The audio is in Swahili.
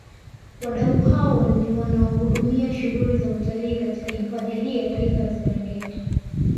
Wadau hao ni wanaohudumia shughuli za utalii katika hifadhi hii ya Taifa ya Serengeti